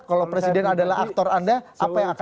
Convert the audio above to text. kalau presiden adalah aktor anda apa yang akan